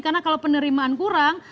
karena kalau penerimaan kurang